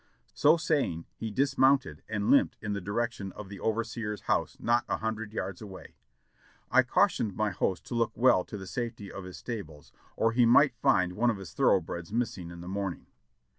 So saying he dismounted, and limped in the direction of the overseer's house not a hundred yards away. I cautioned my host to look well to the safety of his stables or he might find one of his thoroughbreds missing in the morn ing.